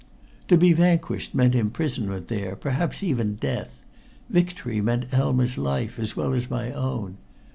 To be vanquished meant imprisonment there, perhaps even death. Victory meant Elma's life, as well as my own.